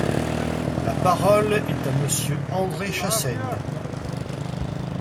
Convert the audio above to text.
La parole est à Monsieur André Chassaigne.